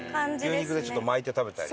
牛肉でちょっと巻いて食べたり？